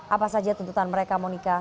apa saja tuntutan mereka